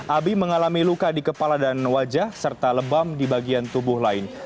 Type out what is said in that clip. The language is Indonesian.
abi mengalami luka di kepala dan wajah serta lebam di bagian tubuh lain